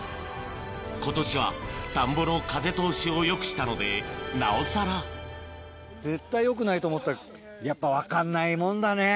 今年は田んぼの風通しをよくしたのでなおさら絶対よくないと思ったやっぱ分かんないもんだね。